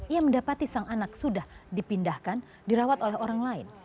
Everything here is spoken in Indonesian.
ia mendapati sang anak sudah dipindahkan dirawat oleh orang lain